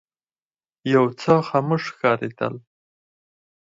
یو څه خاموش ښکارېدل.